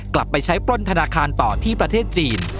กลับไปใช้ปล้นธนาคารต่อที่ประเทศจีน